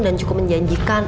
dan cukup menjanjikan